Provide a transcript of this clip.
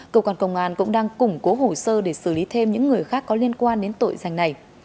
cơ quan công an cũng đang củng cố hồ sơ để xử lý thêm những người khác có liên quan đến tội danh này